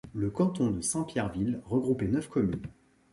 Le canton de Saint-Pierreville regroupait neuf communes.